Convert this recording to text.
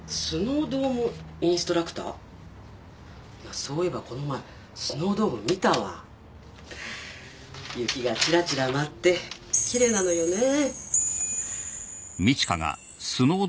そういえばこの前スノードーム見たわ雪がチラチラ舞ってきれいなのよねぇ